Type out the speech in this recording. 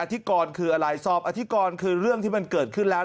ธิกรคืออะไรสอบอธิกรคือเรื่องที่มันเกิดขึ้นแล้ว